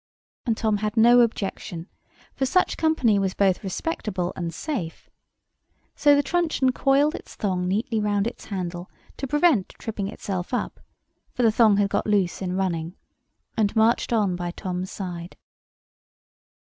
And Tom had no objection, for such company was both respectable and safe; so the truncheon coiled its thong neatly round its handle, to prevent tripping itself up—for the thong had got loose in running—and marched on by Tom's side.